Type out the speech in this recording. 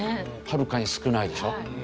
はるかに少ないでしょ？